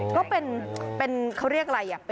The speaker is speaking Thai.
ก็เป็นเขาเรียกอะไร